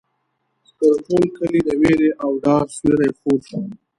پر ټول کلي د وېرې او ډار سیوری خور شو.